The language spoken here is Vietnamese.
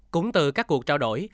cũng từ các cuộc trao đổi